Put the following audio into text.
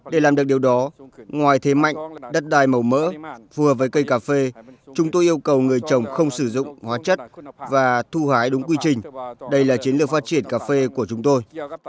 để làm được điều đó ngoài thế mạnh đất đai màu mỡ phù hợp với cây cà phê chúng tôi yêu cầu người chồng không sử dụng hóa chất và thu hái đúng quy trình đây là chiến lược phát triển cà phê của chúng tôi